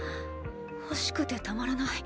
欲しくてたまらない